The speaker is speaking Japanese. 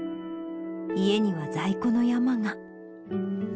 家には在庫の山が。